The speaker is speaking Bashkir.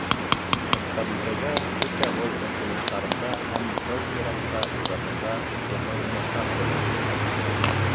Оҫтабикәгә бөтә был ынтылыштарында һәм тәү сиратта ижадында яңы уңыштар теләйек.